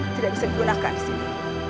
tidak bisa digunakan disini